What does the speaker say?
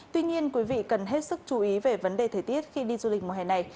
tuy nhiên quý vị cần hết sức chú ý về vấn đề thời tiết khi đi du lịch mùa hè này